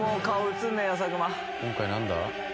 今回何だ？